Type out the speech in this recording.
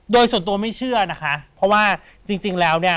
โดยส่วนตัวไม่เชื่อนะคะเพราะว่าจริงแล้วเนี่ย